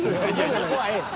そこはええ。